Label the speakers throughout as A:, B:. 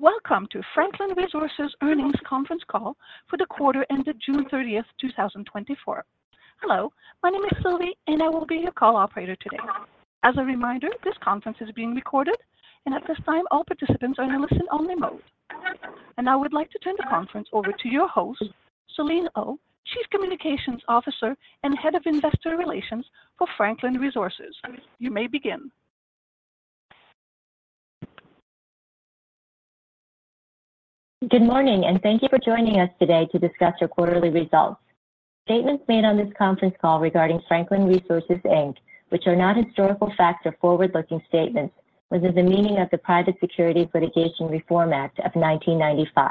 A: Welcome to Franklin Resources Earnings Conference Call for the quarter ended June 30th, 2024. Hello, my name is Sylvie, and I will be your call operator today. As a reminder, this conference is being recorded, and at this time, all participants are in listen-only mode. I would like to turn the conference over to your host, Selene Oh, Chief Communications Officer and Head of Investor Relations for Franklin Resources. You may begin.
B: Good morning, and thank you for joining us today to discuss your quarterly results. Statements made on this conference call regarding Franklin Resources, Inc., which are not historical facts or forward-looking statements within the meaning of the Private Securities Litigation Reform Act of 1995.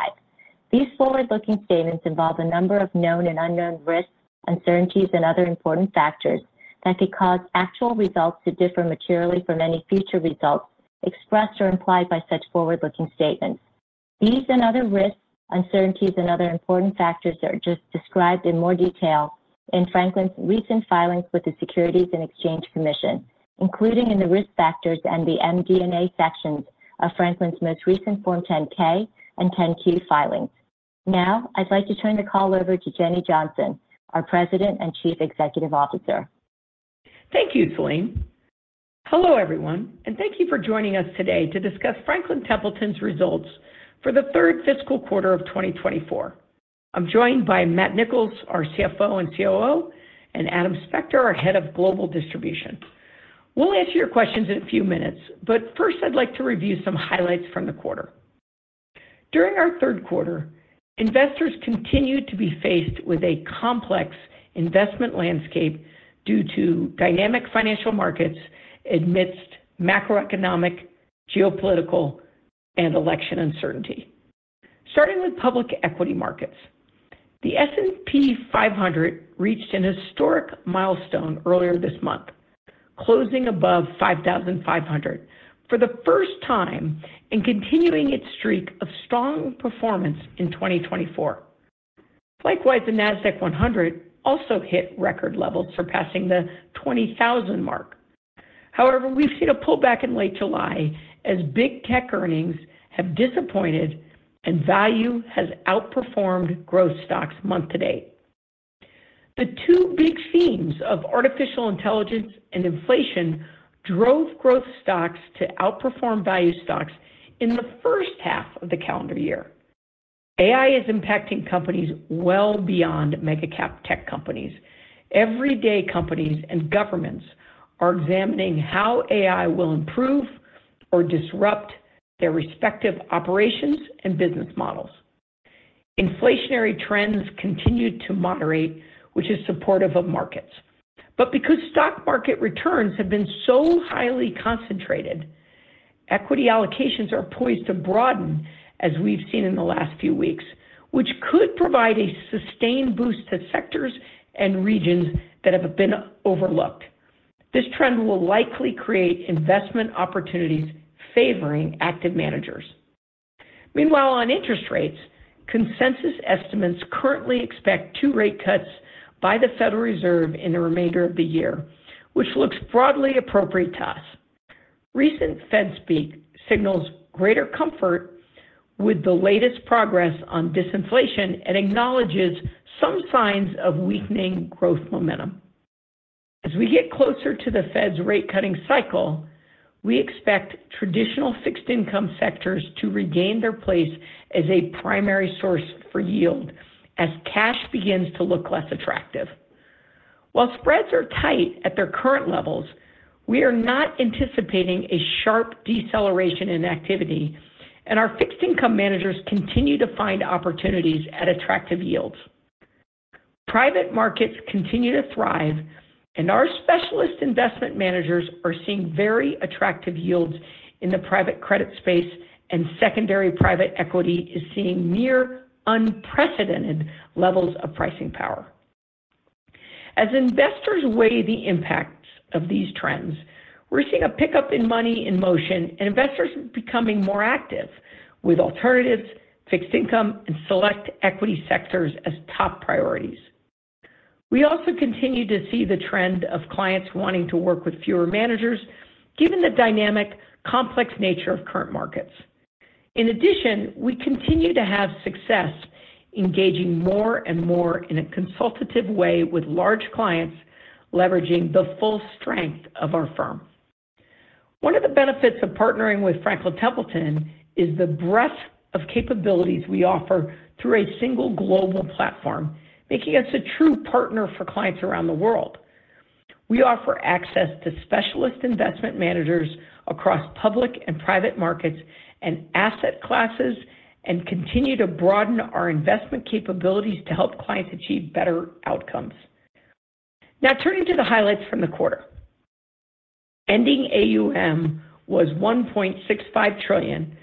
B: These forward-looking statements involve a number of known and unknown risks, uncertainties, and other important factors that could cause actual results to differ materially from any future results expressed or implied by such forward-looking statements. These and other risks, uncertainties and other important factors are just described in more detail in Franklin's recent filings with the Securities and Exchange Commission, including in the Risk Factors and the MD&A sections of Franklin's most recent Form 10-K and 10-Q filings. Now, I'd like to turn the call over to Jenny Johnson, our President and Chief Executive Officer.
C: Thank you, Selene. Hello, everyone, and thank you for joining us today to discuss Franklin Templeton's results for the third fiscal quarter of 2024. I'm joined by Matt Nicholls, our CFO and COO, and Adam Spector, our Head of Global Distribution. We'll answer your questions in a few minutes, but first, I'd like to review some highlights from the quarter. During our third quarter, investors continued to be faced with a complex investment landscape due to dynamic financial markets amidst macroeconomic, geopolitical, and election uncertainty. Starting with public equity markets, the S&P 500 reached an historic milestone earlier this month, closing above 5,500 for the first time and continuing its streak of strong performance in 2024. Likewise, the Nasdaq-100 also hit record levels, surpassing the 20,000 mark. However, we've seen a pullback in late July as big tech earnings have disappointed and value has outperformed growth stocks month-to-date. The two big themes of artificial intelligence and inflation drove growth stocks to outperform value stocks in the first half of the calendar year. AI is impacting companies well beyond mega cap tech companies. Everyday companies and governments are examining how AI will improve or disrupt their respective operations and business models. Inflationary trends continued to moderate, which is supportive of markets. But because stock market returns have been so highly concentrated, equity allocations are poised to broaden, as we've seen in the last few weeks, which could provide a sustained boost to sectors and regions that have been overlooked. This trend will likely create investment opportunities favoring active managers. Meanwhile, on interest rates, consensus estimates currently expect two rate cuts by the Federal Reserve in the remainder of the year, which looks broadly appropriate to us. Recent Fed speak signals greater comfort with the latest progress on disinflation and acknowledges some signs of weakening growth momentum. As we get closer to the Fed's rate-cutting cycle, we expect traditional fixed income sectors to regain their place as a primary source for yield as cash begins to look less attractive. While spreads are tight at their current levels, we are not anticipating a sharp deceleration in activity, and our fixed income managers continue to find opportunities at attractive yields. Private markets continue to thrive, and our specialist investment managers are seeing very attractive yields in the private credit space, and secondary private equity is seeing near unprecedented levels of pricing power. As investors weigh the impacts of these trends, we're seeing a pickup in money in motion and investors becoming more active with alternatives, fixed income, and select equity sectors as top priorities. We also continue to see the trend of clients wanting to work with fewer managers, given the dynamic, complex nature of current markets. In addition, we continue to have success engaging more and more in a consultative way with large clients, leveraging the full strength of our firm. One of the benefits of partnering with Franklin Templeton is the breadth of capabilities we offer through a single global platform, making us a true partner for clients around the world. We offer access to specialist investment managers across public and private markets and asset classes, and continue to broaden our investment capabilities to help clients achieve better outcomes. Now, turning to the highlights from the quarter. Ending AUM was $1.65 trillion,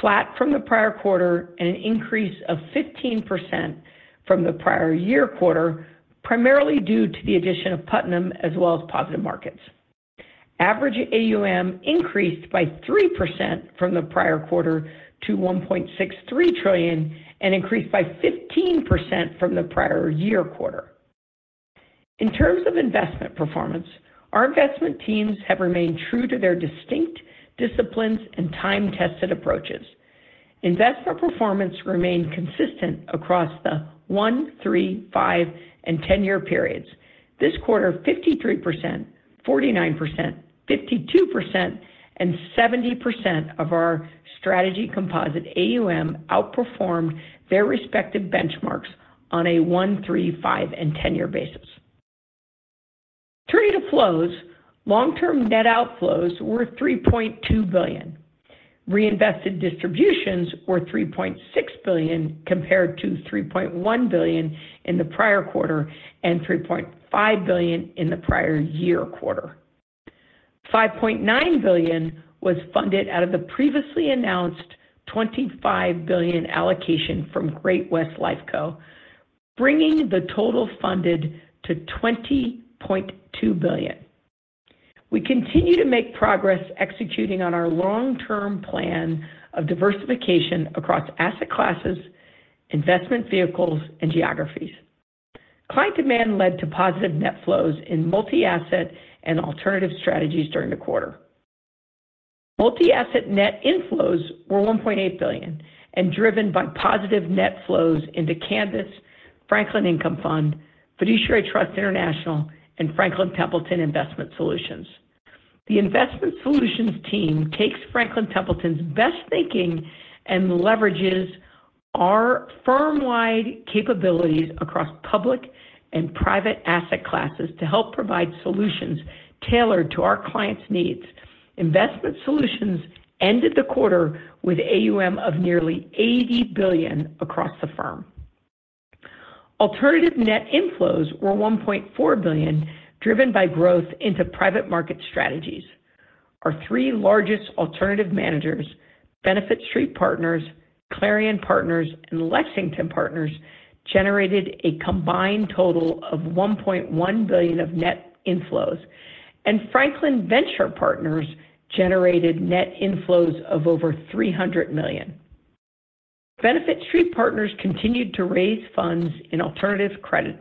C: flat from the prior quarter, and an increase of 15% from the prior year quarter, primarily due to the addition of Putnam as well as positive markets. Average AUM increased by 3% from the prior quarter to $1.63 trillion and increased by 15% from the prior year quarter. In terms of investment performance, our investment teams have remained true to their distinct disciplines and time-tested approaches. Investor performance remained consistent across the one-, three-, five-, and 10-year periods. This quarter, 53%, 49%, 52%, and 70% of our strategy composite AUM outperformed their respective benchmarks on a one-, three-, five-, and 10-year basis. Turning to flows, long-term net outflows were $3.2 billion. Reinvested distributions were $3.6 billion compared to $3.1 billion in the prior quarter and $3.5 billion in the prior year quarter. $5.9 billion was funded out of the previously announced $25 billion allocation from Great-West Lifeco, bringing the total funded to $20.2 billion. We continue to make progress executing on our long-term plan of diversification across asset classes, investment vehicles, and geographies. Client demand led to positive net flows in multi-asset and alternative strategies during the quarter. Multi-asset net inflows were $1.8 billion and driven by positive net flows into Canvas, Franklin Income Fund, Fiduciary Trust International, and Franklin Templeton Investment Solutions. The Investment Solutions team takes Franklin Templeton's best thinking and leverages our firm-wide capabilities across public and private asset classes to help provide solutions tailored to our clients' needs. Investment Solutions ended the quarter with AUM of nearly $80 billion across the firm. Alternative net inflows were $1.4 billion, driven by growth into private market strategies. Our three largest alternative managers, Benefit Street Partners, Clarion Partners, and Lexington Partners, generated a combined total of $1.1 billion of net inflows, and Franklin Venture Partners generated net inflows of over $300 million. Benefit Street Partners continued to raise funds in alternative credit.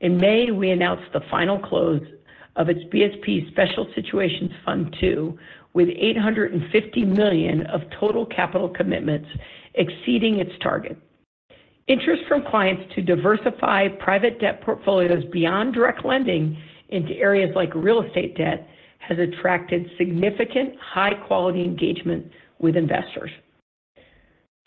C: In May, we announced the final close of its BSP Special Situations Fund II, with $850 million of total capital commitments exceeding its target. Interest from clients to diversify private debt portfolios beyond direct lending into areas like real estate debt has attracted significant, high-quality engagement with investors.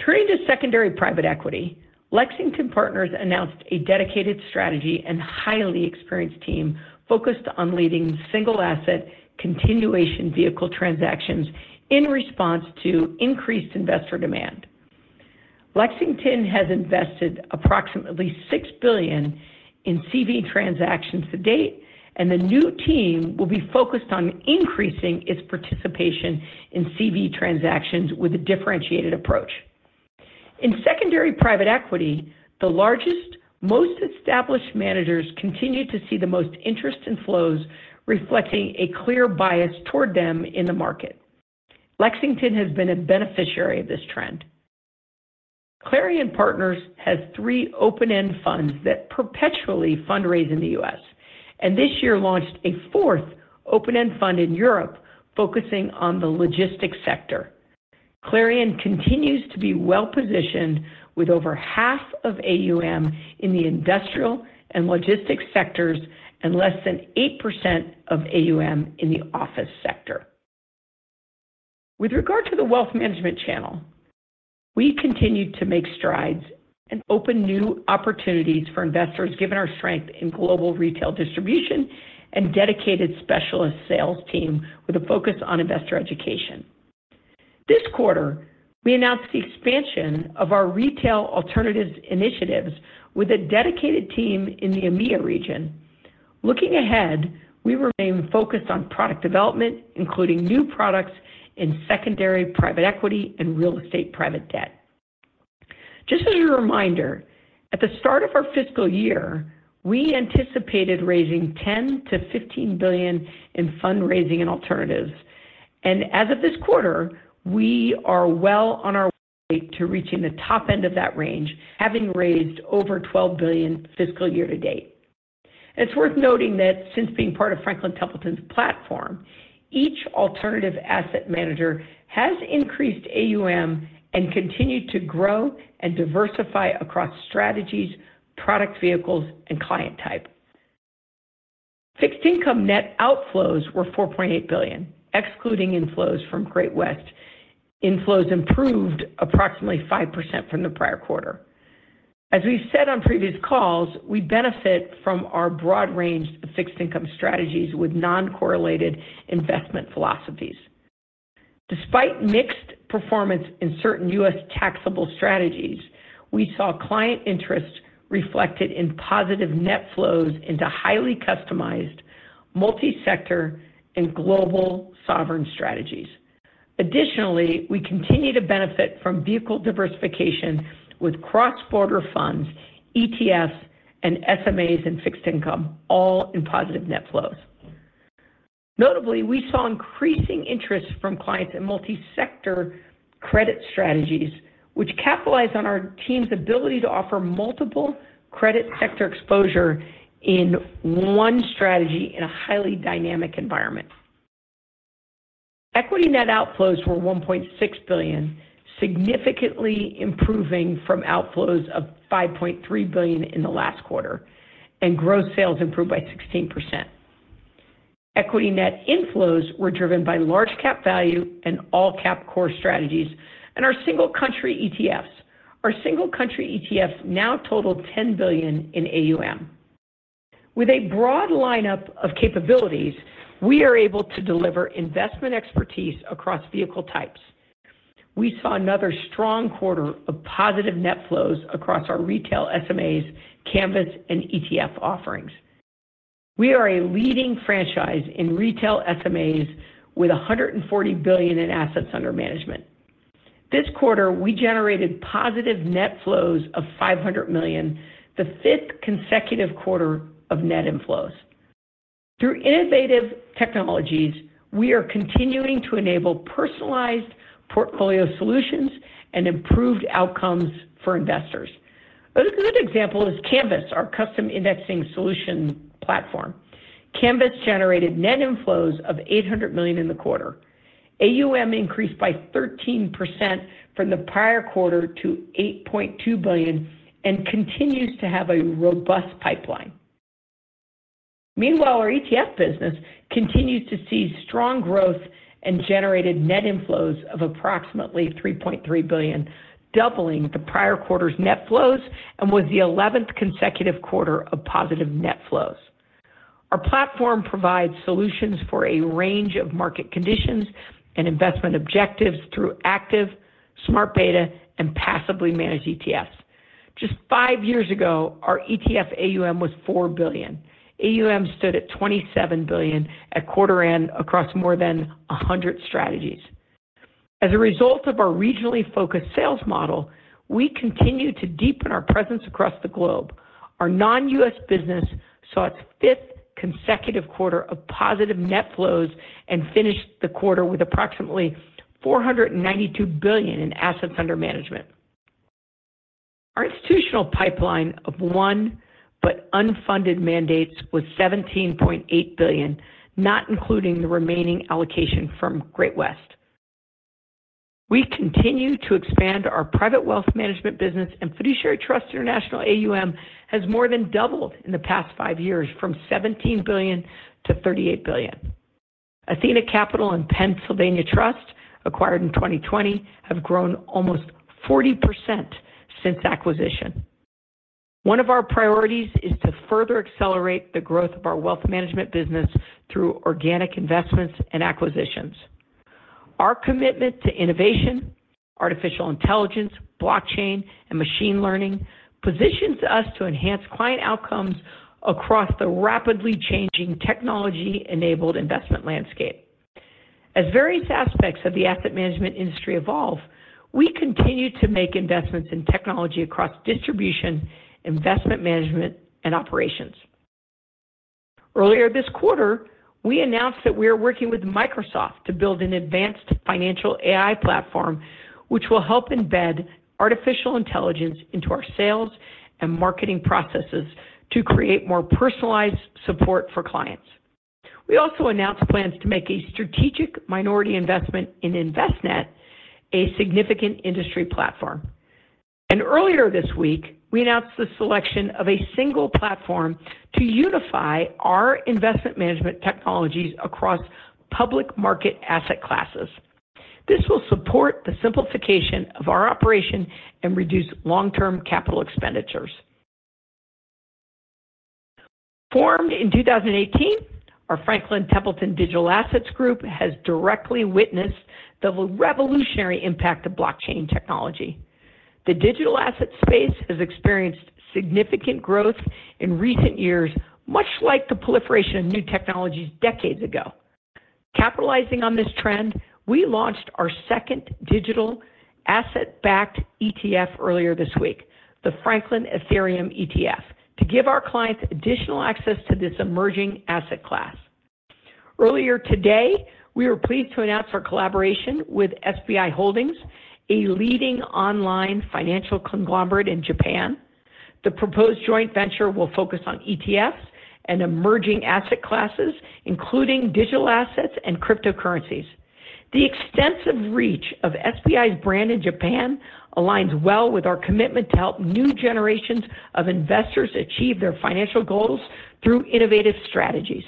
C: Turning to secondary private equity, Lexington Partners announced a dedicated strategy and highly experienced team focused on leading single-asset continuation vehicle transactions in response to increased investor demand. Lexington has invested approximately $6 billion in CV transactions to date, and the new team will be focused on increasing its participation in CV transactions with a differentiated approach. In secondary private equity, the largest, most established managers continue to see the most interest in flows, reflecting a clear bias toward them in the market. Lexington has been a beneficiary of this trend. Clarion Partners has three open-end funds that perpetually fundraise in the U.S., and this year launched a fourth open-end fund in Europe, focusing on the logistics sector. Clarion continues to be well-positioned with over half of AUM in the industrial and logistics sectors and less than 8% of AUM in the office sector. With regard to the wealth management channel, we continued to make strides and open new opportunities for investors, given our strength in global retail distribution and dedicated specialist sales team with a focus on investor education. This quarter, we announced the expansion of our retail alternatives initiatives with a dedicated team in the EMEA region. Looking ahead, we remain focused on product development, including new products in secondary private equity and real estate private debt. Just as a reminder, at the start of our fiscal year, we anticipated raising $10 billion-$15 billion in fundraising and alternatives, and as of this quarter, we are well on our way to reaching the top end of that range, having raised over $12 billion fiscal year to date. It's worth noting that since being part of Franklin Templeton's platform, each alternative asset manager has increased AUM and continued to grow and diversify across strategies, product vehicles, and client type. Fixed income net outflows were $4.8 billion, excluding inflows from Great-West. Inflows improved approximately 5% from the prior quarter. As we've said on previous calls, we benefit from our broad range of fixed income strategies with non-correlated investment philosophies. Despite mixed performance in certain U.S. taxable strategies, we saw client interest reflected in positive net flows into highly customized multi-sector and global sovereign strategies. Additionally, we continue to benefit from vehicle diversification with cross-border funds, ETFs, and SMAs in fixed income, all in positive net flows.... Notably, we saw increasing interest from clients in multi-sector credit strategies, which capitalize on our team's ability to offer multiple credit sector exposure in one strategy in a highly dynamic environment. Equity net outflows were $1.6 billion, significantly improving from outflows of $5.3 billion in the last quarter, and gross sales improved by 16%. Equity net inflows were driven by large cap value and all cap core strategies and our single country ETFs. Our single country ETFs now total $10 billion in AUM. With a broad lineup of capabilities, we are able to deliver investment expertise across vehicle types. We saw another strong quarter of positive net flows across our retail SMAs, Canvas, and ETF offerings. We are a leading franchise in retail SMAs with $140 billion in assets under management. This quarter, we generated positive net flows of $500 million, the fifth consecutive quarter of net inflows. Through innovative technologies, we are continuing to enable personalized portfolio solutions and improved outcomes for investors. A good example is Canvas, our custom indexing solution platform. Canvas generated net inflows of $800 million in the quarter. AUM increased by 13% from the prior quarter to $8.2 billion and continues to have a robust pipeline. Meanwhile, our ETF business continues to see strong growth and generated net inflows of approximately $3.3 billion, doubling the prior quarter's net flows and was the eleventh consecutive quarter of positive net flows. Our platform provides solutions for a range of market conditions and investment objectives through active, smart beta, and passively managed ETFs. Just five years ago, our ETF AUM was $4 billion. AUM stood at $27 billion at quarter end across more than 100 strategies. As a result of our regionally focused sales model, we continue to deepen our presence across the globe. Our non-US business saw its fifth consecutive quarter of positive net flows and finished the quarter with approximately $492 billion in assets under management. Our institutional pipeline of one, but unfunded mandates, was $17.8 billion, not including the remaining allocation from Great-West. We continue to expand our private wealth management business and Fiduciary Trust International AUM has more than doubled in the past five years from $17 billion to $38 billion. Athena Capital and Pennsylvania Trust, acquired in 2020, have grown almost 40% since acquisition. One of our priorities is to further accelerate the growth of our wealth management business through organic investments and acquisitions. Our commitment to innovation, artificial intelligence, blockchain, and machine learning positions us to enhance client outcomes across the rapidly changing technology-enabled investment landscape. As various aspects of the asset management industry evolve, we continue to make investments in technology across distribution, investment management, and operations. Earlier this quarter, we announced that we are working with Microsoft to build an advanced financial AI platform, which will help embed artificial intelligence into our sales and marketing processes to create more personalized support for clients. We also announced plans to make a strategic minority investment in Envestnet, a significant industry platform. Earlier this week, we announced the selection of a single platform to unify our investment management technologies across public market asset classes. This will support the simplification of our operation and reduce long-term capital expenditures. Formed in 2018, our Franklin Templeton Digital Assets group has directly witnessed the revolutionary impact of blockchain technology. The digital asset space has experienced significant growth in recent years, much like the proliferation of new technologies decades ago. Capitalizing on this trend, we launched our second digital asset-backed ETF earlier this week, the Franklin Ethereum ETF, to give our clients additional access to this emerging asset class. Earlier today, we were pleased to announce our collaboration with SBI Holdings, a leading online financial conglomerate in Japan. The proposed joint venture will focus on ETFs and emerging asset classes, including digital assets and cryptocurrencies. The extensive reach of SBI's brand in Japan aligns well with our commitment to help new generations of investors achieve their financial goals through innovative strategies.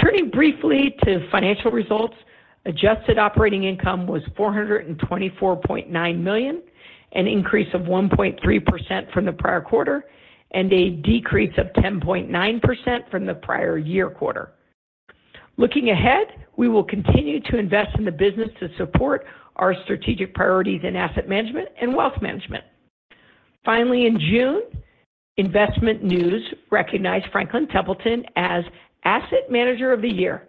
C: Turning briefly to financial results, adjusted operating income was $424.9 million, an increase of 1.3% from the prior quarter, and a decrease of 10.9% from the prior year quarter. Looking ahead, we will continue to invest in the business to support our strategic priorities in asset management and wealth management. Finally, in June, InvestmentNews recognized Franklin Templeton as Asset Manager of the Year.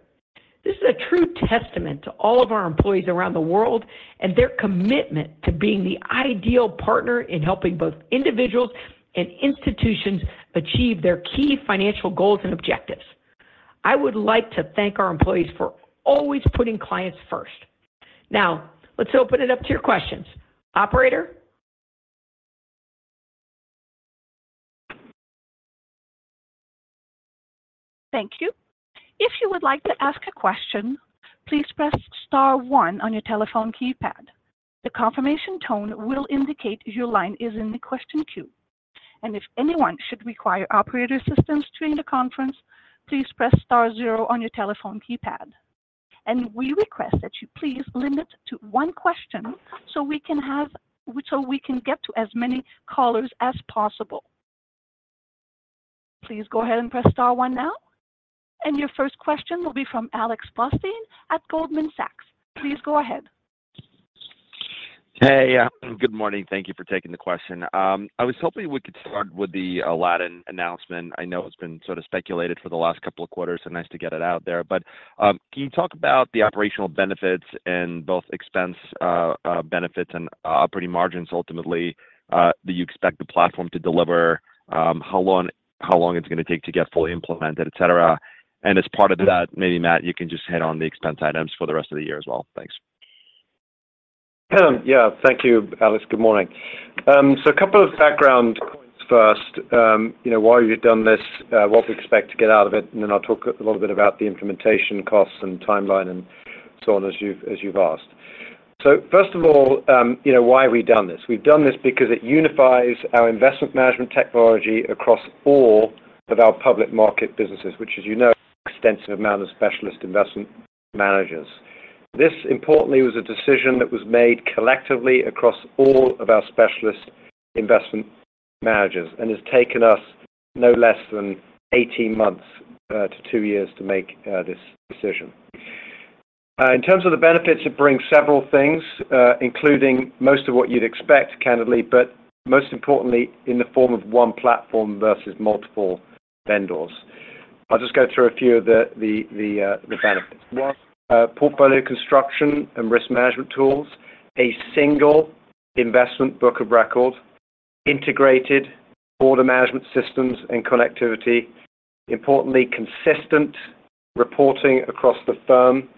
C: This is a true testament to all of our employees around the world and their commitment to being the ideal partner in helping both individuals and institutions achieve their key financial goals and objectives. I would like to thank our employees for always putting clients first. Now, let's open it up to your questions. Operator?
A: Thank you. If you would like to ask a question, please press star one on your telephone keypad. The confirmation tone will indicate your line is in the question queue. If anyone should require operator assistance during the conference, please press star zero on your telephone keypad. We request that you please limit to one question so we can get to as many callers as possible. Please go ahead and press star one now. Your first question will be from Alex Blostein at Goldman Sachs. Please go ahead.
D: Hey, yeah, good morning. Thank you for taking the question. I was hoping we could start with the Aladdin announcement. I know it's been sort of speculated for the last couple of quarters, so nice to get it out there. But, can you talk about the operational benefits and both expense benefits and operating margins, ultimately, that you expect the platform to deliver, how long, how long it's going to take to get fully implemented, etc? And as part of that, maybe, Matt, you can just hit on the expense items for the rest of the year as well. Thanks.
E: Yeah, thank you, Alex. Good morning. So a couple of background points first. You know, why we've done this, what we expect to get out of it, and then I'll talk a little bit about the implementation costs and timeline and so on, as you, as you've asked. So first of all, you know, why have we done this? We've done this because it unifies our investment management technology across all of our public market businesses, which, as you know, extensive amount of specialist investment managers. This, importantly, was a decision that was made collectively across all of our specialist investment managers and has taken us no less than 18 months to two years to make this decision. In terms of the benefits, it brings several things, including most of what you'd expect, candidly, but most importantly, in the form of one platform versus multiple vendors. I'll just go through a few of the benefits. One, portfolio construction and risk management tools, a single investment book of records, integrated order management systems and connectivity, importantly, consistent reporting across the firm,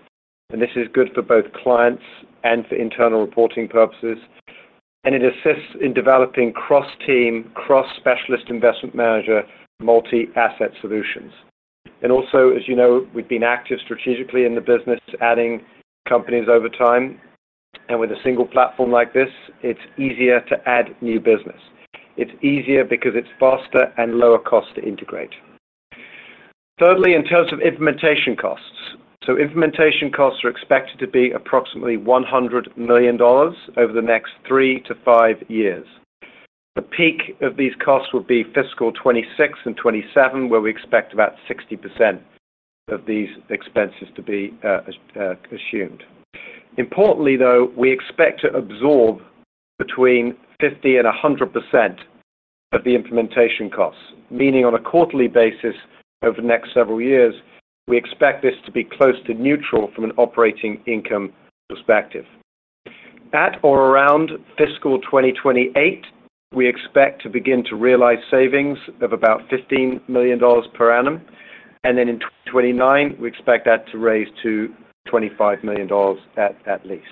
E: and this is good for both clients and for internal reporting purposes, and it assists in developing cross-team, cross-specialist investment manager, multi-asset solutions. And also, as you know, we've been active strategically in the business, adding companies over time, and with a single platform like this, it's easier to add new business. It's easier because it's faster and lower cost to integrate. Thirdly, in terms of implementation costs. So implementation costs are expected to be approximately $100 million over the next three to five years. The peak of these costs will be fiscal 2026 and 2027, where we expect about 60% of these expenses to be as assumed. Importantly, though, we expect to absorb between 50% and 100% of the implementation costs, meaning on a quarterly basis over the next several years, we expect this to be close to neutral from an operating income perspective. At or around fiscal 2028, we expect to begin to realize savings of about $15 million per annum, and then in 2029, we expect that to raise to $25 million at least.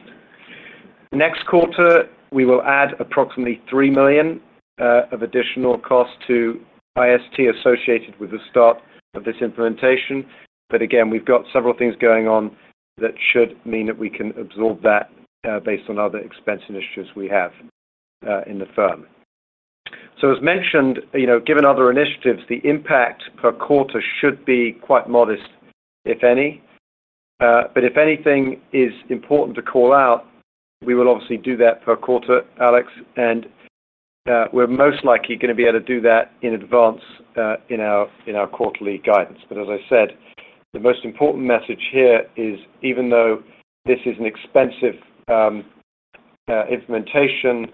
E: Next quarter, we will add approximately $3 million of additional costs to IS&T associated with the start of this implementation. But again, we've got several things going on that should mean that we can absorb that, based on other expense initiatives we have, in the firm. So as mentioned, you know, given other initiatives, the impact per quarter should be quite modest, if any. But if anything is important to call out, we will obviously do that per quarter, Alex, and, we're most likely going to be able to do that in advance, in our, in our quarterly guidance. But as I said, the most important message here is, even though this is an expensive, implementation,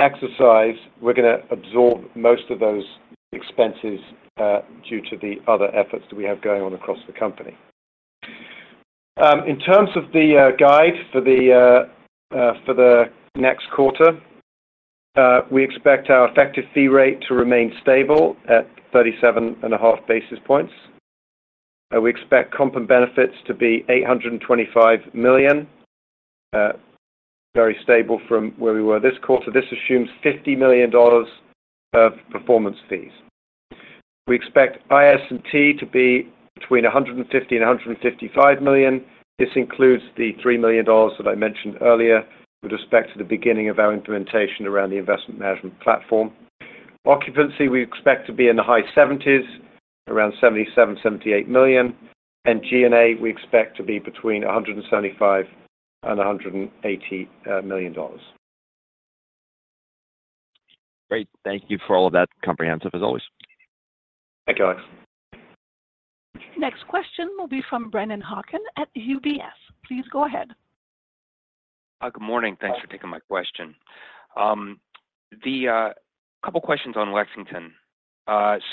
E: exercise, we're gonna absorb most of those expenses, due to the other efforts that we have going on across the company. In terms of the guide for the next quarter, we expect our effective fee rate to remain stable at 37.5 basis points. We expect comp and benefits to be $825 million, very stable from where we were this quarter. This assumes $50 million of performance fees. We expect IS&T to be between $150 million and $155 million. This includes the $3 million that I mentioned earlier with respect to the beginning of our implementation around the investment management platform. Occupancy, we expect to be in the high $70s million, around $77 million-$78 million, and G&A, we expect to be between $175 million and $180 million.
D: Great. Thank you for all of that. Comprehensive, as always.
E: Thank you, Alex.
A: Next question will be from Brennan Hawken at UBS. Please go ahead....
F: Hi, good morning. Thanks for taking my question. The couple questions on Lexington.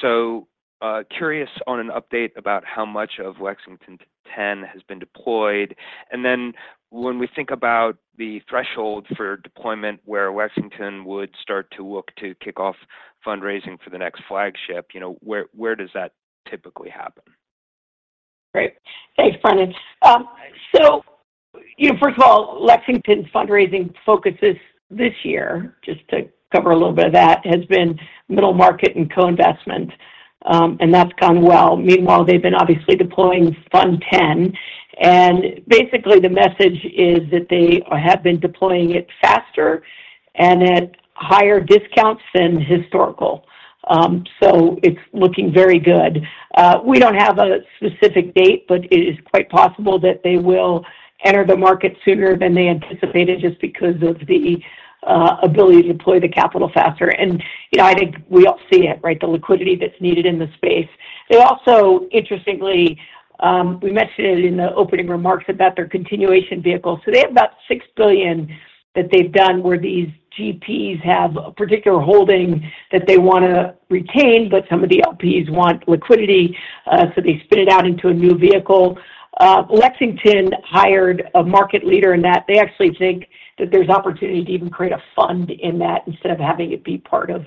F: So, curious on an update about how much of Lexington X has been deployed. And then when we think about the threshold for deployment, where Lexington would start to look to kick off fundraising for the next flagship, you know, where, where does that typically happen?
C: Great. Thanks, Brandon. So, you know, first of all, Lexington's fundraising focuses this year, just to cover a little bit of that, has been middle market and co-investment, and that's gone well. Meanwhile, they've been obviously deploying Fund X, and basically, the message is that they have been deploying it faster and at higher discounts than historical. So it's looking very good. We don't have a specific date, but it is quite possible that they will enter the market sooner than they anticipated just because of the ability to deploy the capital faster. And, you know, I think we all see it, right? The liquidity that's needed in the space. They also, interestingly, we mentioned it in the opening remarks about their continuation vehicle. They have about $6 billion that they've done, where these GPs have a particular holding that they wanna retain, but some of the LPs want liquidity, so they spit it out into a new vehicle. Lexington hired a market leader in that. They actually think that there's opportunity to even create a fund in that instead of having it be part of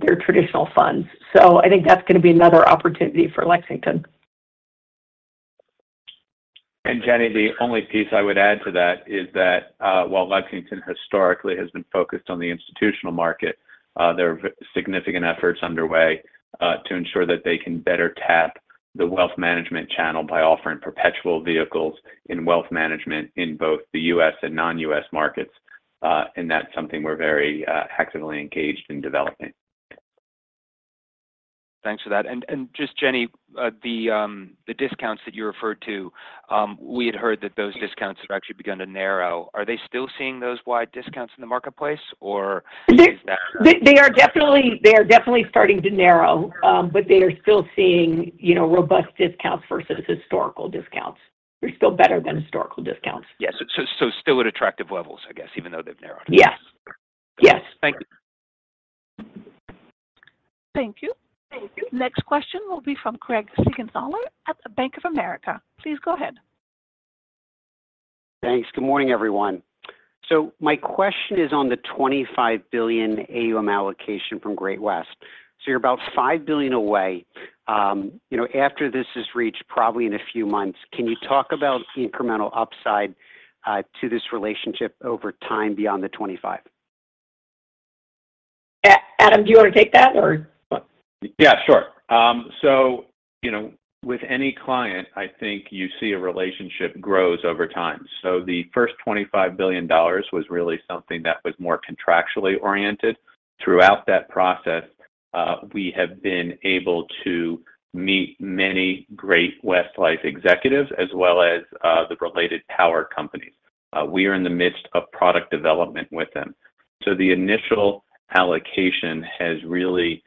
C: their traditional funds. I think that's gonna be another opportunity for Lexington.
G: And Jenny, the only piece I would add to that is that, while Lexington historically has been focused on the institutional market, there are very significant efforts underway, to ensure that they can better tap the wealth management channel by offering perpetual vehicles in wealth management in both the U.S. and non-U.S. markets. And that's something we're very, actively engaged in developing.
F: Thanks for that. And just, Jenny, the discounts that you referred to, we had heard that those discounts have actually begun to narrow. Are they still seeing those wide discounts in the marketplace or is that-
C: They are definitely starting to narrow, but they are still seeing, you know, robust discounts versus historical discounts. They're still better than historical discounts.
F: Yes. So, still at attractive levels, I guess, even though they've narrowed?
C: Yes. Yes.
F: Thank you.
A: Next question will be from Craig Siegenthaler at Bank of America. Please go ahead.
H: Thanks. Good morning, everyone. So my question is on the $25 billion AUM allocation from Great West. So you're about $5 billion away. You know, after this is reached, probably in a few months, can you talk about the incremental upside to this relationship over time beyond the 25?
C: Adam, do you want to take that or what?
G: Yeah, sure. So, you know, with any client, I think you see a relationship grows over time. So the first $25 billion was really something that was more contractually oriented. Throughout that process, we have been able to meet many Great-West Lifeco executives, as well as, the related Power companies. We are in the midst of product development with them. So the initial allocation has really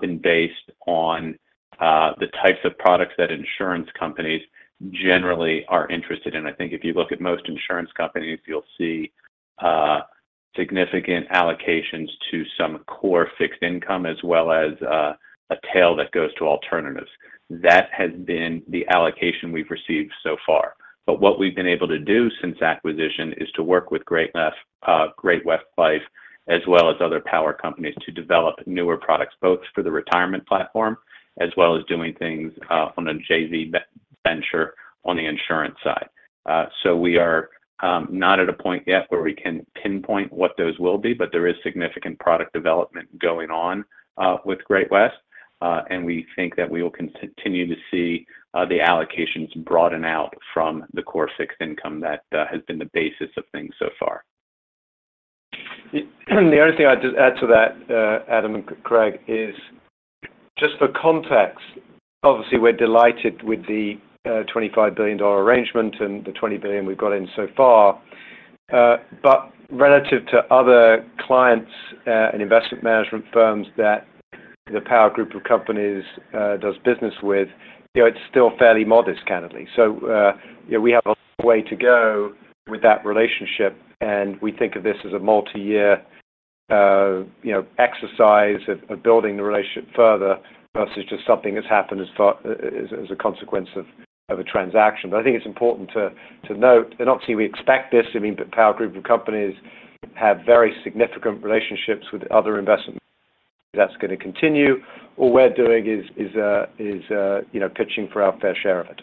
G: been based on the types of products that insurance companies generally are interested in. I think if you look at most insurance companies, you'll see significant allocations to some core fixed income, as well as, a tail that goes to alternatives. That has been the allocation we've received so far. But what we've been able to do since acquisition is to work with Great-West Life, as well as other power companies, to develop newer products, both for the retirement platform as well as doing things, on a JV venture on the insurance side. So we are not at a point yet where we can pinpoint what those will be, but there is significant product development going on, with Great-West Life. And we think that we will continue to see the allocations broaden out from the core fixed income that has been the basis of things so far.
E: The only thing I'd just add to that, Adam and Craig, is just for context, obviously, we're delighted with the $25 billion arrangement and the $20 billion we've got in so far. But relative to other clients and investment management firms that the power group of companies does business with, you know, it's still fairly modest, candidly. So, you know, we have a way to go with that relationship, and we think of this as a multiyear exercise of building the relationship further, versus just something that's happened as a consequence of a transaction. But I think it's important to note, and obviously, we expect this, I mean, the power group of companies have very significant relationships with other investment companies. That's gonna continue. All we're doing is, you know, pitching for our fair share of it.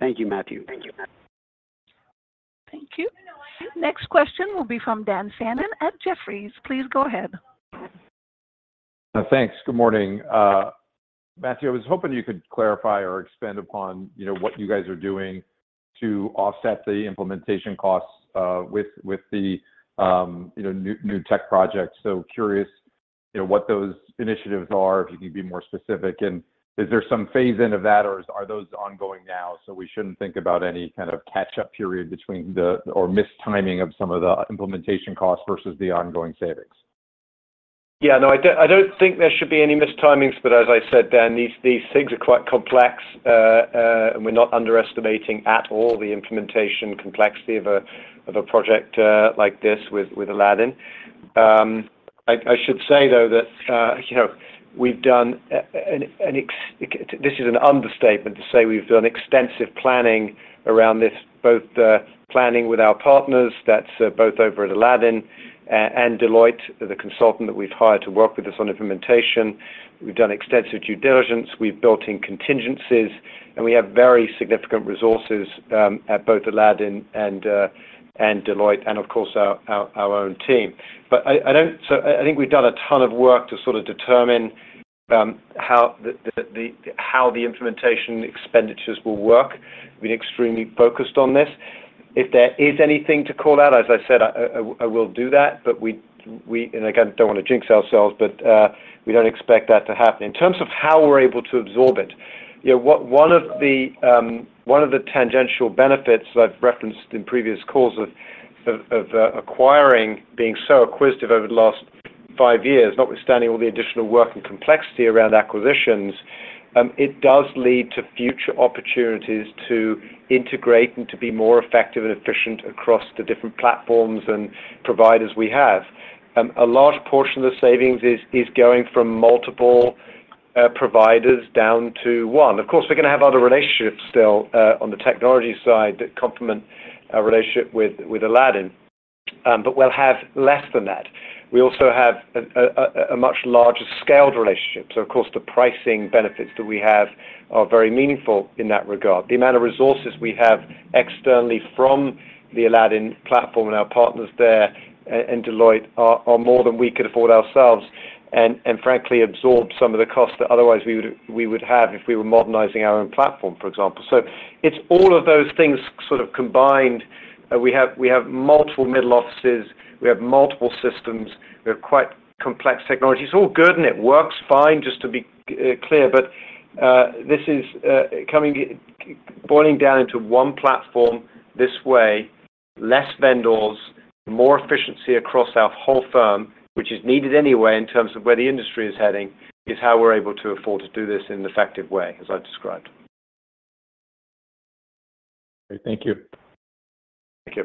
H: Thank you, Matthew.
A: Thank you. Next question will be from Daniel Fannon at Jefferies. Please go ahead.
I: Thanks. Good morning. Matthew, I was hoping you could clarify or expand upon, you know, what you guys are doing to offset the implementation costs with the, you know, new tech projects. So curious, you know, what those initiatives are, if you can be more specific, and is there some phase-in of that, or are those ongoing now, so we shouldn't think about any kind of catch-up period between the or mistiming of some of the implementation costs versus the ongoing savings?
E: Yeah, no, I don't, I don't think there should be any mistimings, but as I said, Dan, these things are quite complex. And we're not underestimating at all the implementation complexity of a project like this with Aladdin. I should say, though, that you know, this is an understatement to say we've done extensive planning around this, both planning with our partners, that's both over at Aladdin and Deloitte, the consultant that we've hired to work with us on implementation. We've done extensive due diligence. We've built in contingencies, and we have very significant resources at both Aladdin and Deloitte and, of course, our own team. But I don't, so I think we've done a ton of work to sort of determine how the implementation expenditures will work. We've been extremely focused on this. If there is anything to call out, as I said, I will do that, but we and again, don't want to jinx ourselves, but we don't expect that to happen. In terms of how we're able to absorb it, you know, one of the tangential benefits that I've referenced in previous calls of acquiring, being so acquisitive over the last five years, notwithstanding all the additional work and complexity around acquisitions, it does lead to future opportunities to integrate and to be more effective and efficient across the different platforms and providers we have. A large portion of the savings is going from multiple providers down to one. Of course, we're going to have other relationships still on the technology side that complement our relationship with Aladdin, but we'll have less than that. We also have a much larger scaled relationship. So of course, the pricing benefits that we have are very meaningful in that regard. The amount of resources we have externally from the Aladdin platform and our partners there and Deloitte are more than we could afford ourselves and frankly absorb some of the costs that otherwise we would have if we were modernizing our own platform, for example. So it's all of those things sort of combined. We have multiple middle offices, we have multiple systems, we have quite complex technology. It's all good, and it works fine, just to be clear, but this is coming boiling down into one platform this way, less vendors, more efficiency across our whole firm, which is needed anyway in terms of where the industry is heading, is how we're able to afford to do this in an effective way, as I've described.
I: Thank you.
E: Thank you.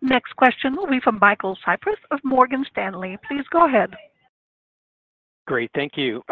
A: Next question will be from Michael Cyprys of Morgan Stanley. Please go ahead.
J: Great. Thank you.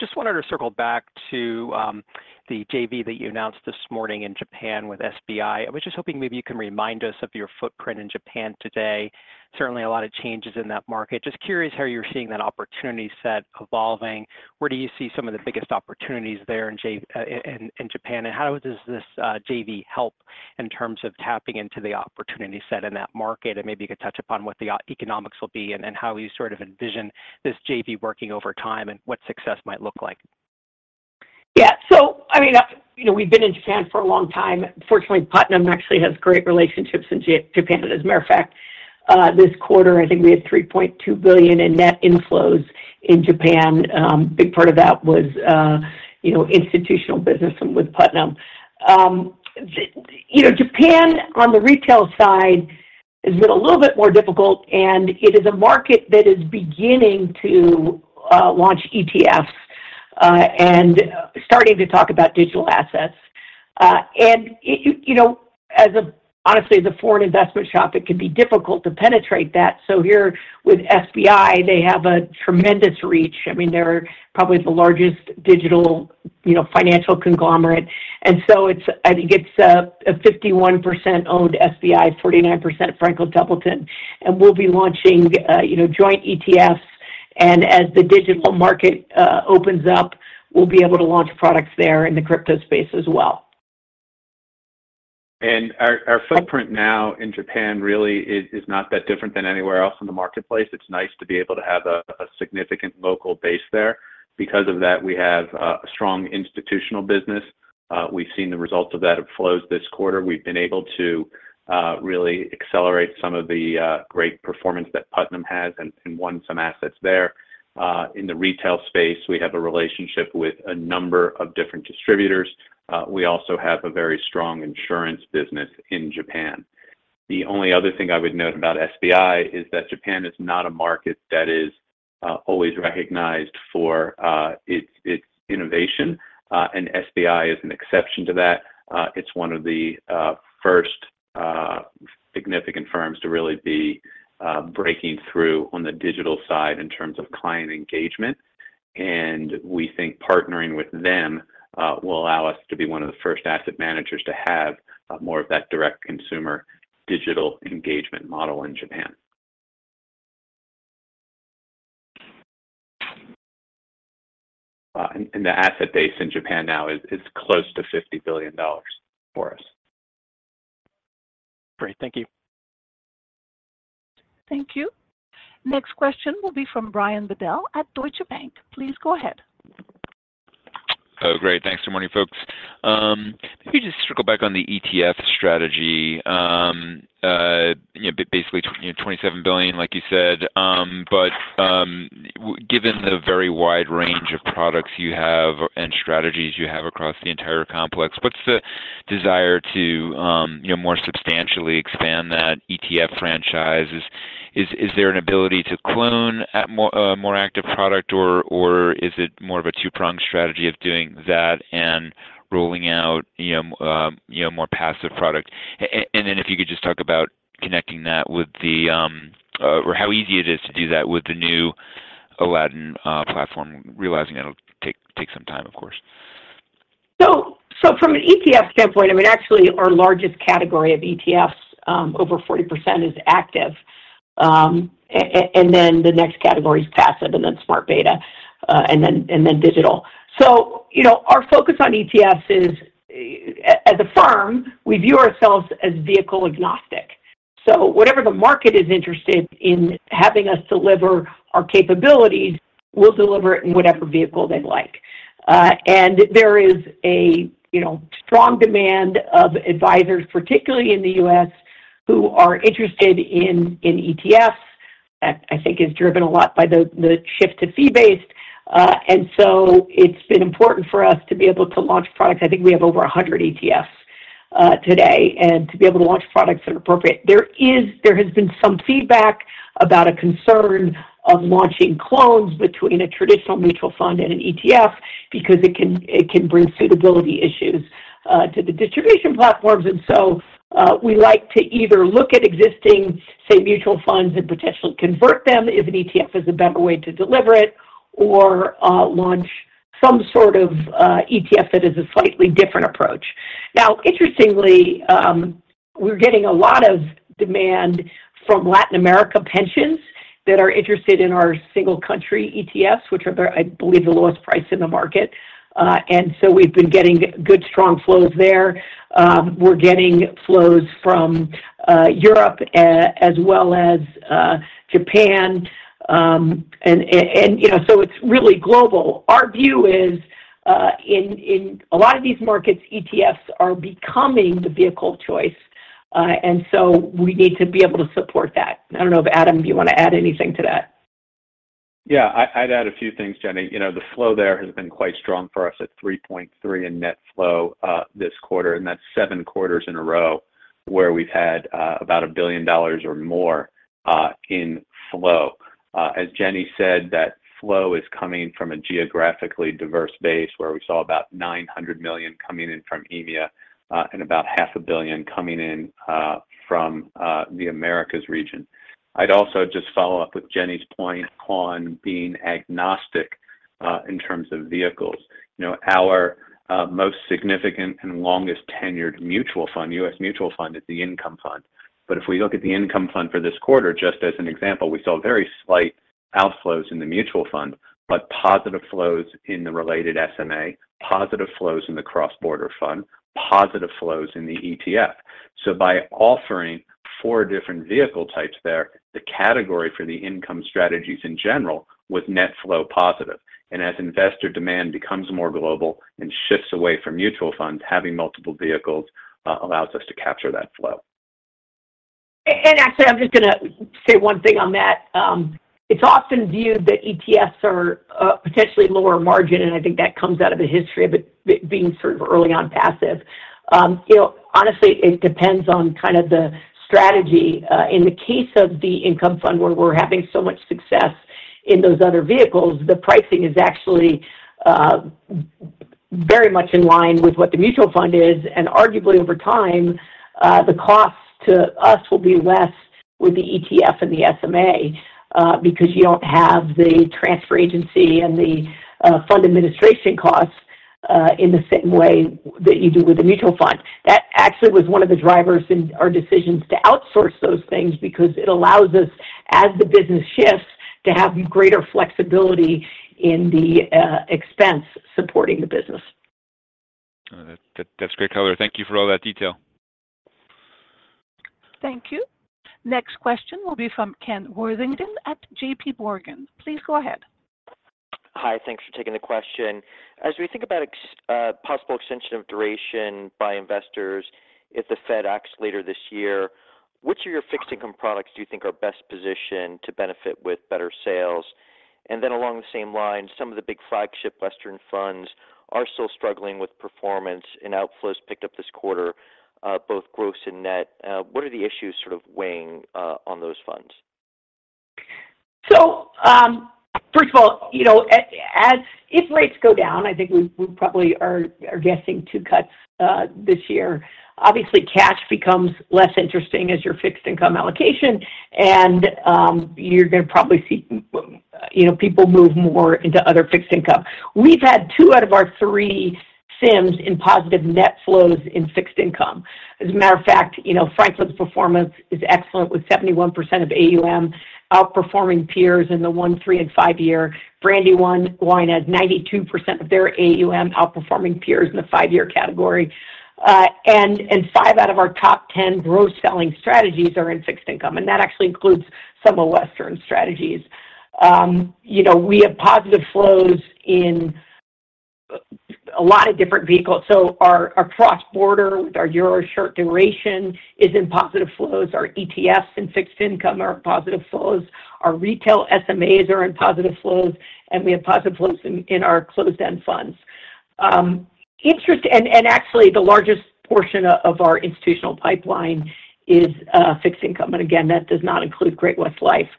J: Just wanted to circle back to the JV that you announced this morning in Japan with SBI. I was just hoping maybe you can remind us of your footprint in Japan today. Certainly, a lot of changes in that market. Just curious how you're seeing that opportunity set evolving. Where do you see some of the biggest opportunities there in Japan, and how does this JV help in terms of tapping into the opportunity set in that market? And maybe you could touch upon what the economics will be and how you sort of envision this JV working over time and what success might look like.
C: Yeah. So I mean, you know, we've been in Japan for a long time. Fortunately, Putnam actually has great relationships in Japan. As a matter of fact, this quarter, I think we had $3.2 billion in net inflows in Japan. Big part of that was, you know, institutional business with Putnam. You know, Japan, on the retail side, has been a little bit more difficult, and it is a market that is beginning to launch ETFs, and starting to talk about digital assets. And you know, as a... honestly, as a foreign investment shop, it can be difficult to penetrate that. So here with SBI, they have a tremendous reach. I mean, they're probably the largest digital, you know, financial conglomerate, and so it's, I think it's a 51% owned SBI, 49% Franklin Templeton. We'll be launching, you know, joint ETFs, and as the digital market opens up, we'll be able to launch products there in the crypto space as well.
E: Our footprint now in Japan really is not that different than anywhere else in the marketplace. It's nice to be able to have a significant local base there. Because of that, we have a strong institutional business. We've seen the results of that flows this quarter. We've been able to really accelerate some of the great performance that Putnam has and won some assets there. In the retail space, we have a relationship with a number of different distributors. We also have a very strong insurance business in Japan. The only other thing I would note about SBI is that Japan is not a market that is always recognized for its innovation, and SBI is an exception to that. It's one of the first significant firms to really be breaking through on the digital side in terms of client engagement, and we think partnering with them will allow us to be one of the first asset managers to have more of that direct consumer digital engagement model in Japan. And the asset base in Japan now is close to $50 billion for us.
J: Great. Thank you.
A: Thank you. Next question will be from Brian Bedell at Deutsche Bank. Please go ahead.
K: Oh, great. Thanks. Good morning, folks. Maybe just circle back on the ETF strategy. You know, basically, $27 billion, like you said, but given the very wide range of products you have and strategies you have across the entire complex, what's the desire to, you know, more substantially expand that ETF franchise? Is there an ability to clone at more active product, or is it more of a two-pronged strategy of doing that and rolling out, you know, more passive product? And then if you could just talk about connecting that with the, or how easy it is to do that with the new Aladdin platform, realizing it'll take some time, of course.
C: So from an ETF standpoint, I mean, actually our largest category of ETFs, over 40% is active. And then the next category is passive, and then smart beta, and then digital. So, you know, our focus on ETFs is, as a firm, we view ourselves as vehicle agnostic. So whatever the market is interested in having us deliver our capabilities, we'll deliver it in whatever vehicle they like. And there is a, you know, strong demand of advisors, particularly in the U.S., who are interested in, in ETFs. That I think is driven a lot by the, the shift to fee-based. And so it's been important for us to be able to launch products. I think we have over 100 ETFs, today, and to be able to launch products that are appropriate. There has been some feedback about a concern of launching clones between a traditional mutual fund and an ETF because it can bring suitability issues to the distribution platforms. And so, we like to either look at existing, say, mutual funds and potentially convert them if an ETF is a better way to deliver it, or launch some sort of ETF that is a slightly different approach. Now, interestingly, we're getting a lot of demand from Latin America pensions that are interested in our single country ETFs, which are, I believe, the lowest priced in the market. And so we've been getting good, strong flows there. We're getting flows from Europe, as well as Japan. And, you know, so it's really global. Our view is, in a lot of these markets, ETFs are becoming the vehicle of choice, and so we need to be able to support that. I don't know if, Adam, do you want to add anything to that?
G: Yeah, I, I'd add a few things, Jenny. You know, the flow there has been quite strong for us at $3.3 billion in net flow this quarter, and that's seven quarters in a row where we've had about $1 billion or more in flow. As Jenny said, that flow is coming from a geographically diverse base, where we saw about $900 million coming in from EMEA, and about $500 million coming in from the Americas region. I'd also just follow up with Jenny's point on being agnostic in terms of vehicles. You know, our most significant and longest-tenured mutual fund, US Mutual Fund, is the income fund. But if we look at the income fund for this quarter, just as an example, we saw very slight outflows in the mutual fund, but positive flows in the related SMA, positive flows in the cross-border fund, positive flows in the ETF. So by offering four different vehicle types there, the category for the income strategies in general was net flow positive. And as investor demand becomes more global and shifts away from mutual funds, having multiple vehicles allows us to capture that flow.
C: Actually, I'm just gonna say one thing on that. It's often viewed that ETFs are potentially lower margin, and I think that comes out of the history of it, it being sort of early on passive. You know, honestly, it depends on kind of the strategy. In the case of the income fund, where we're having so much success in those other vehicles, the pricing is actually very much in line with what the mutual fund is, and arguably over time the cost to us will be less with the ETF and the SMA because you don't have the transfer agency and the fund administration costs in the same way that you do with a mutual fund. That actually was one of the drivers in our decisions to outsource those things because it allows us, as the business shifts, to have greater flexibility in the expense supporting the business.
K: That's great color. Thank you for all that detail.
A: Thank you. Next question will be from Ken Worthington at JPMorgan. Please go ahead.
L: Hi, thanks for taking the question. As we think about possible extension of duration by investors, if the Fed acts later this year, which of your fixed income products do you think are best-positioned to benefit with better sales? And then along the same lines, some of the big flagship Western funds are still struggling with performance, and outflows picked up this quarter, both gross and net. What are the issues sort of weighing on those funds?
C: So, first of all, you know, as if rates go down, I think we probably are guessing two cuts this year. Obviously, cash becomes less interesting as your fixed income allocation, and you're gonna probably see, you know, people move more into other fixed income. We've had two out of our three SIMs in positive net flows in fixed income. As a matter of fact, you know, Franklin's performance is excellent, with 71% of AUM outperforming peers in the one-, three-, and five-year. Brandywine has 92% of their AUM outperforming peers in the five-year category. And five out of our top 10 gross selling strategies are in fixed income, and that actually includes some of Western strategies. You know, we have positive flows in a lot of different vehicles. So our cross-border, our Euro short duration is in positive flows. Our ETFs and fixed income are in positive flows. Our retail SMAs are in positive flows, and we have positive flows in our closed-end funds. And actually, the largest portion of our institutional pipeline is fixed income, and again, that does not include Great-West Lifeco.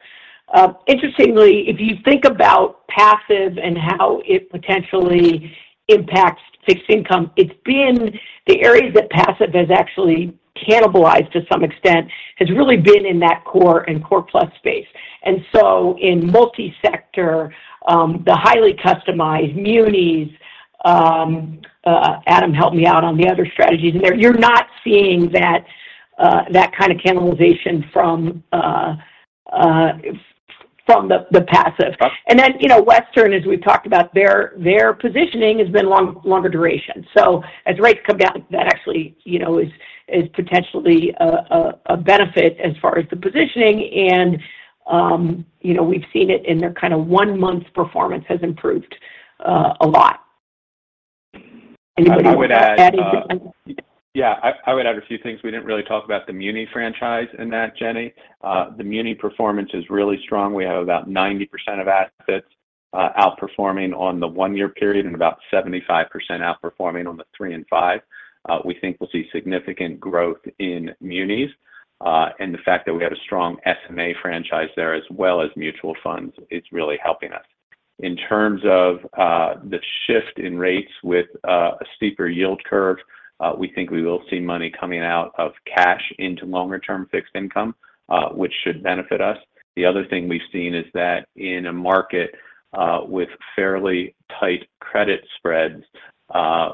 C: Interestingly, if you think about passive and how it potentially impacts fixed income, it's been the areas that passive has actually cannibalized to some extent has really been in that core and core plus space. And so in multi-sector, the highly customized munis, Adam, help me out on the other strategies in there. You're not seeing that kind of cannibalization from the passive. And then, you know, Western, as we've talked about, their positioning has been longer duration. So as rates come down, that actually, you know, is potentially a benefit as far as the positioning. And, you know, we've seen it in their kinda one month's performance has improved a lot. Anybody would like to add anything?
G: Yeah, I would add a few things. We didn't really talk about the muni franchise in that, Jenny. The muni performance is really strong. We have about 90% of assets outperforming on the one-year period and about 75% outperforming on the three and five. We think we'll see significant growth in munis, and the fact that we have a strong SMA franchise there, as well as mutual funds, it's really helping us. In terms of the shift in rates with a steeper yield curve, we think we will see money coming out of cash into longer-term fixed income, which should benefit us. The other thing we've seen is that in a market with fairly tight credit spreads,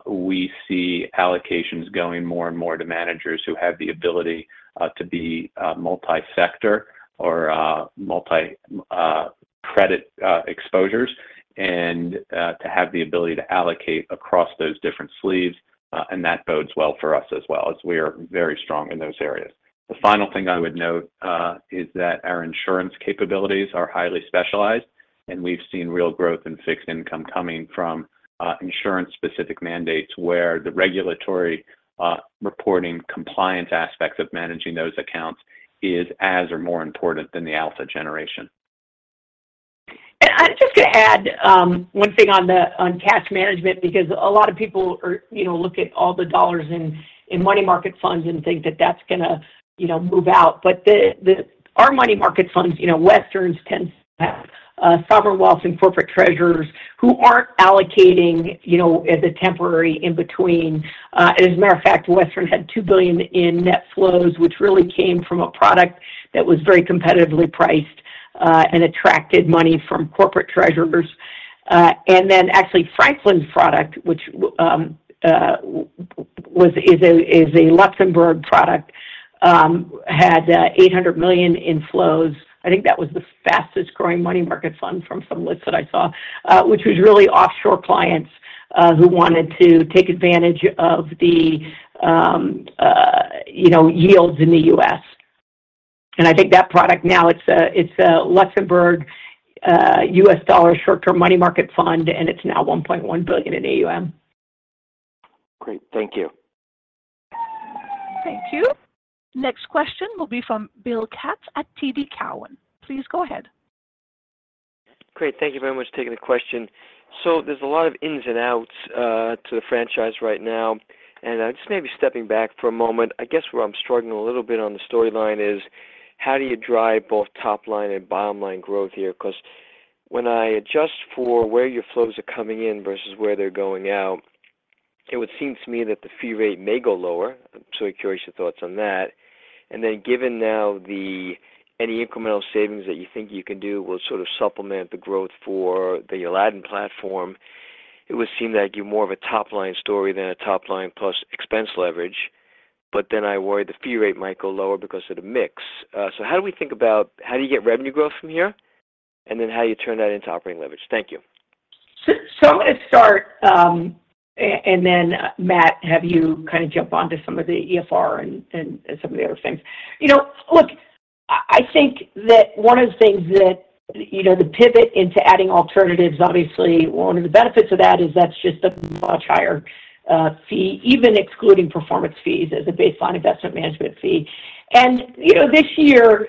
G: we see allocations going more and more to managers who have the ability to be multi-sector or multi-credit exposures, and to have the ability to allocate across those different sleeves, and that bodes well for us as well, as we are very strong in those areas. The final thing I would note is that our insurance capabilities are highly specialized, and we've seen real growth in fixed income coming from insurance-specific mandates, where the regulatory reporting compliance aspect of managing those accounts is as or more important than the alpha generation.
C: I'm just gonna add one thing on the, on cash management, because a lot of people are, you know, look at all the dollars in, in money market funds and think that that's gonna, you know, move out. But the our money market funds, you know, Western's tend to have sovereign wealth and corporate treasurers who aren't allocating, you know, as a temporary in-between. As a matter of fact, Western had $2 billion in net flows, which really came from a product that was very competitively priced and attracted money from corporate treasurers. And then actually, Franklin's product, which was a Luxembourg product, had $800 million in flows. I think that was the fastest-growing money market fund from some lists that I saw, which was really offshore clients, who wanted to take advantage of the, you know, yields in the U.S. And I think that product now, it's a, it's a Luxembourg, U.S. dollar short-term money market fund, and it's now $1.1 billion in AUM.
D: Great. Thank you.
A: Thank you. Next question will be from Bill Katz at TD Cowen. Please go ahead.
M: Great. Thank you very much for taking the question. So there's a lot of ins and outs to the franchise right now, and just maybe stepping back for a moment, I guess where I'm struggling a little bit on the storyline is, how do you drive both top-line and bottom-line growth here? Because when I adjust for where your flows are coming in versus where they're going out, it would seem to me that the fee rate may go lower. I'm so curious your thoughts on that. And then given now the any incremental savings that you think you can do will sort of supplement the growth for the Aladdin platform, it would seem like you're more of a top-line story than a top-line plus expense leverage, but then I worry the fee rate might go lower because of the mix. How do we think about how do you get revenue growth from here, and then how you turn that into operating leverage? Thank you.
C: So, I'm going to start, and then, Matt, have you kind of jump on to some of the EFR and some of the other things. You know, look, I think that one of the things that, you know, the pivot into adding alternatives, obviously, one of the benefits of that is that's just a much higher fee, even excluding performance fees as a baseline investment management fee. And, you know, this year,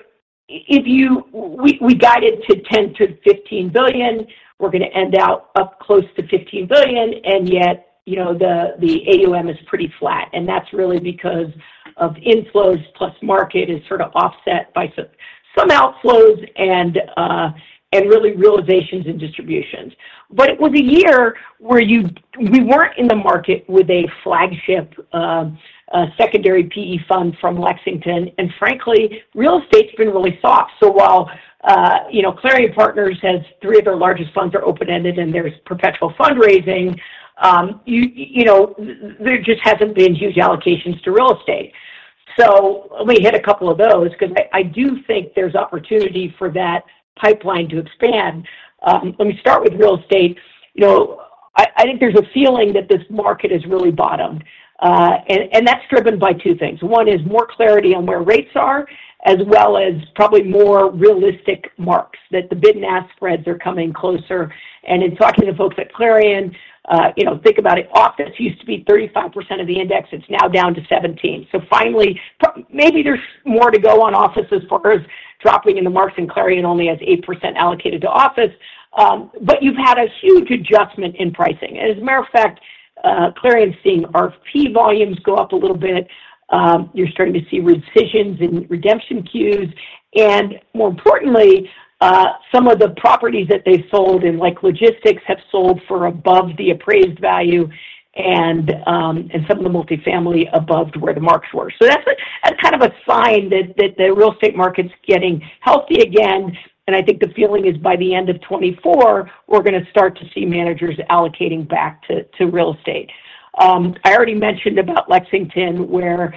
C: we guided to $10 billion-$15 billion, we're gonna end out up close to $15 billion, and yet, you know, the AUM is pretty flat, and that's really because of inflows plus market is sort of offset by some outflows and really realizations and distributions. But it was a year where we weren't in the market with a flagship, secondary PE fund from Lexington. And frankly, real estate's been really soft. So while, you know, Clarion Partners has three of their largest funds are open-ended, and there's perpetual fundraising, you know, there just hasn't been huge allocations to real estate. So let me hit a couple of those because I do think there's opportunity for that pipeline to expand. Let me start with real estate, you know. I think there's a feeling that this market has really bottomed, and that's driven by two things. One is more clarity on where rates are, as well as probably more realistic marks, that the bid and ask spreads are coming closer. And in talking to folks at Clarion, you know, think about it, office used to be 35% of the index, it's now down to 17%. So finally, maybe there's more to go on office as far as dropping in the marks, and Clarion only has 8% allocated to office. But you've had a huge adjustment in pricing. As a matter of fact, Clarion is seeing RFP volumes go up a little bit. You're starting to see rescissions and redemption queues. And more importantly, some of the properties that they sold in, like, logistics, have sold for above the appraised value and, and some of the multifamily above to where the marks were. So that's a sign that the real estate market's getting healthy again, and I think the feeling is by the end of 2024, we're gonna start to see managers allocating back to real estate. I already mentioned about Lexington, where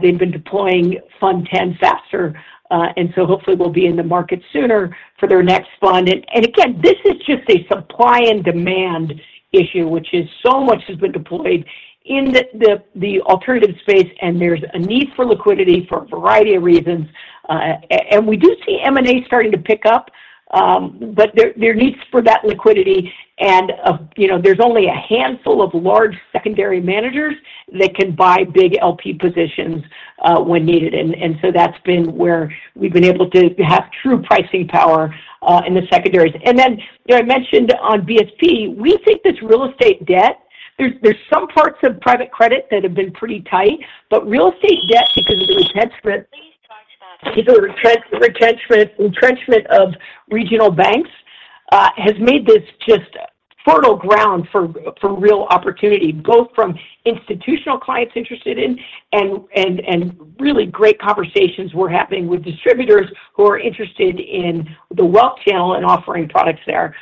C: they've been deploying Fund X faster, and so hopefully will be in the market sooner for their next fund. And again, this is just a supply and demand issue, which is so much has been deployed in the alternative space, and there's a need for liquidity for a variety of reasons. And we do see M&A starting to pick up, but there needs for that liquidity. And, you know, there's only a handful of large secondary managers that can buy big LP positions, when needed. and so that's been where we've been able to have true pricing power in the secondaries. And then, you know, I mentioned on BSP, we think this real estate debt, there's some parts of private credit that have been pretty tight, but real estate debt, because of the retrenchment-
G: Please charge the-
C: Because the retrenchment of regional banks has made this just fertile ground for real opportunity, both from institutional clients interested in and really great conversations we're having with distributors who are interested in the wealth channel and offering products there.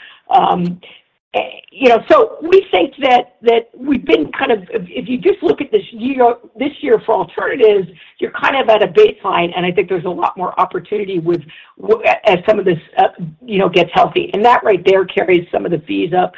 C: You know, so we think that that we've been kind of... If you just look at this year, this year for alternatives, you're kind of at a baseline, and I think there's a lot more opportunity with l-- as some of this you know gets healthy. And that right there carries some of the fees up.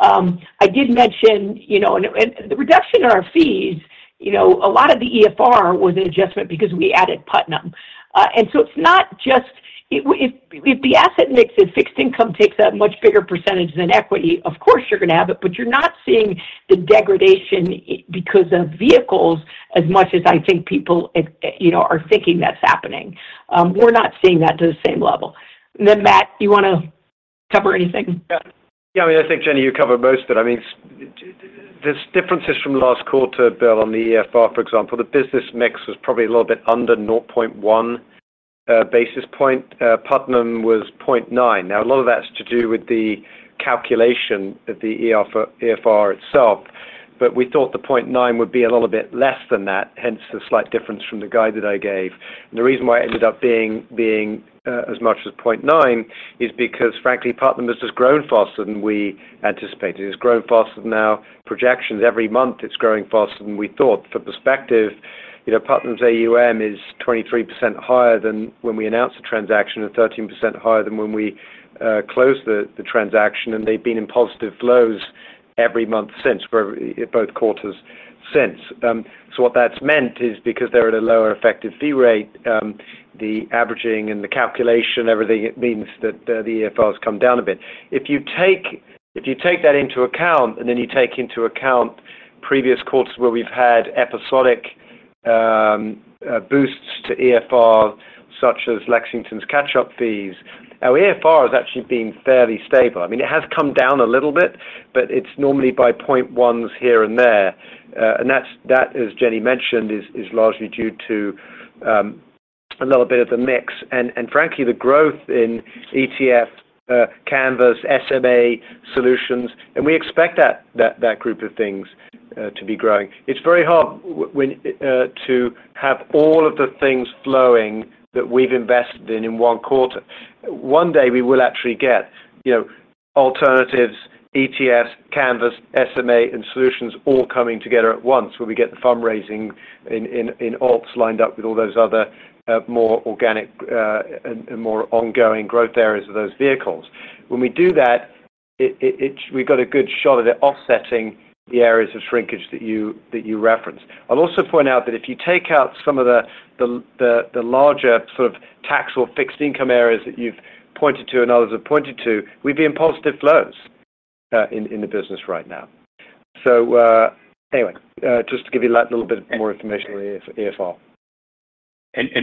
C: I did mention, you know, and the reduction in our fees, you know, a lot of the EFR was an adjustment because we added Putnam. And so it's not just... If the asset mix in fixed income takes a much bigger percentage than equity, of course, you're gonna have it, but you're not seeing the degradation because of vehicles as much as I think people, you know, are thinking that's happening. We're not seeing that to the same level. And then, Matt, you wanna cover anything?
E: Yeah. Yeah, I mean, I think, Jenny, you covered most of it. I mean, there's differences from last quarter, Bill, on the EFR, for example. The business mix was probably a little bit under 0.1 basis point. Putnam was 0.9. Now, a lot of that's to do with the calculation of the EFR itself, but we thought the 0.9 would be a little bit less than that, hence the slight difference from the guide that I gave. And the reason why it ended up being as much as 0.9 is because, frankly, Putnam has just grown faster than we anticipated. It's grown faster than our projections. Every month, it's growing faster than we thought. For perspective, you know, Putnam's AUM is 23% higher than when we announced the transaction and 13% higher than when we closed the transaction, and they've been in positive flows every month since, for both quarters since. So what that's meant is because they're at a lower effective fee rate, the averaging and the calculation, everything, it means that the EFR has come down a bit. If you take that into account, and then you take into account previous quarters where we've had episodic boosts to EFR, such as Lexington's catch-up fees... Now, EFR has actually been fairly stable. I mean, it has come down a little bit, but it's normally by point ones here and there. And that's that, as Jenny mentioned, is largely due to a little bit of the mix and frankly the growth in ETF Canvas SMA solutions, and we expect that group of things to be growing. It's very hard when to have all of the things flowing that we've invested in in one quarter. One day, we will actually get, you know, alternatives, ETFs, Canvas, SMA, and solutions all coming together at once, where we get the fundraising in alts lined up with all those other more organic and more ongoing growth areas of those vehicles. When we do that, we've got a good shot at it offsetting the areas of shrinkage that you referenced. I'll also point out that if you take out some of the larger sort of tax or fixed income areas that you've pointed to and others have pointed to, we'd be in positive flows in the business right now. So, anyway, just to give you a little bit more information on EFR.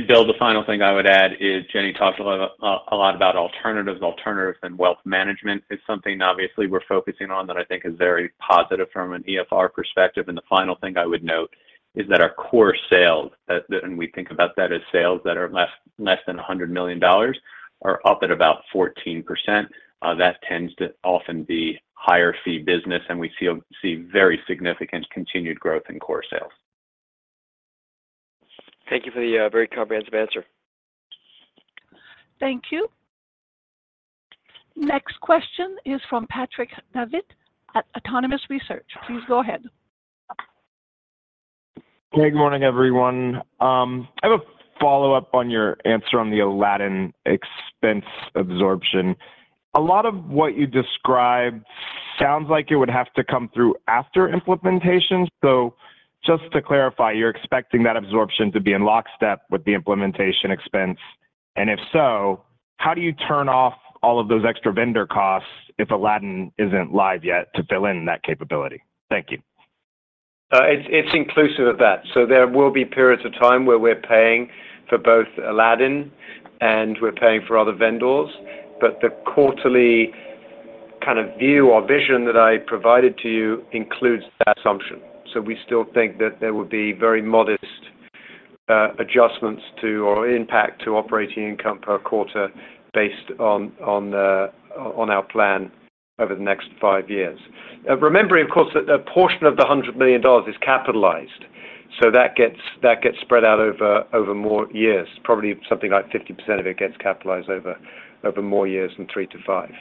G: Bill, the final thing I would add is Jenny talked a lot about alternatives. Alternatives and wealth management is something obviously we're focusing on that I think is very positive from an EFR perspective. The final thing I would note is that our core sales, and we think about that as sales that are less than $100 million, are up about 14%. That tends to often be higher fee business, and we see very significant continued growth in core sales.
M: Thank you for the very comprehensive answer.
A: Thank you. Next question is from Patrick Davitt at Autonomous Research. Please go ahead.
N: Hey, good morning, everyone. I have a follow-up on your answer on the Aladdin expense absorption. A lot of what you described sounds like it would have to come through after implementation. So just to clarify, you're expecting that absorption to be in lockstep with the implementation expense? And if so, how do you turn off all of those extra vendor costs if Aladdin isn't live yet to fill in that capability? Thank you.
G: It's, it's inclusive of that. So there will be periods of time where we're paying for both Aladdin and we're paying for other vendors, but the quarterly kind of view or vision that I provided to you includes that assumption. So we still think that there will be very modest, adjustments to or impact to operating income per quarter based on, on the, on our plan over the next five years. Remembering, of course, that a portion of the $100 million is capitalized, so that gets, that gets spread out over, over more years. Probably something like 50% of it gets capitalized over, over more years than three to five.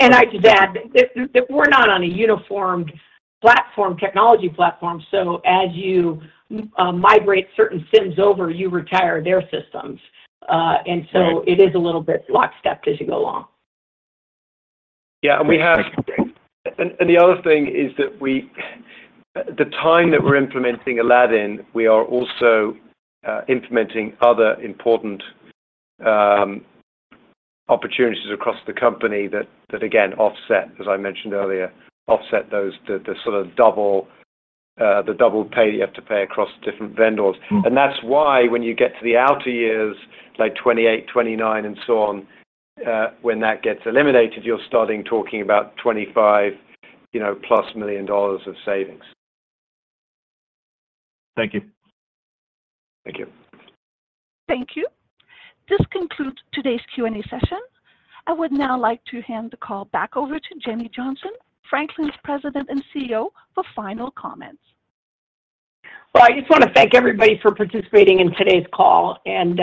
C: And I just add that we're not on a unified technology platform, so as you migrate certain SIMs over, you retire their systems. And so it is a little bit lockstep as you go along.
G: Yeah, and we have. And, and the other thing is that we, the time that we're implementing Aladdin, we are also implementing other important opportunities across the company that, that again, offset, as I mentioned earlier, offset those, the, the sort of double, the double pay you have to pay across different vendors. And that's why when you get to the outer years, like 2028, 2029, and so on, when that gets eliminated, you're starting talking about $25+ million of savings.
N: Thank you.
G: Thank you.
A: Thank you. This concludes today's Q&A session. I would now like to hand the call back over to Jenny Johnson, Franklin's President and CEO, for final comments.
C: Well, I just wanna thank everybody for participating in today's call, and,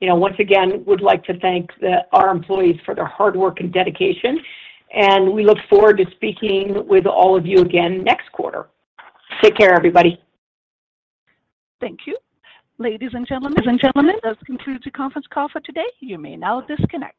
C: you know, once again, would like to thank our employees for their hard work and dedication, and we look forward to speaking with all of you again next quarter. Take care, everybody.
A: Thank you. Ladies and gentlemen, gentlemen, this concludes the conference call for today. You may now disconnect.